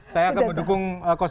saya akan mendukung satu